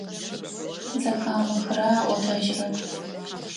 Зэхамыхырэ аӏотэжьырэп.